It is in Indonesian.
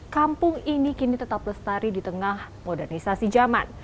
kampung ini kini tetap lestari di tengah modernisasi zaman